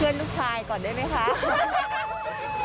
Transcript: เพื่อนลูกชายก่อนได้ไหมคะ